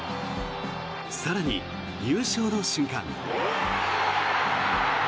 更に、優勝の瞬間。